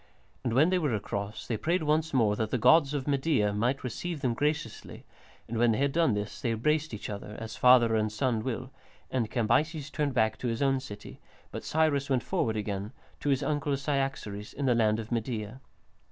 And when they were across, they prayed once more that the gods of Media might receive them graciously, and when they had done this they embraced each other, as father and son will, and Cambyses turned back to his own city, but Cyrus went forward again, to his uncle Cyaxares in the land of Media.